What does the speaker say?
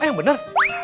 ah yang bener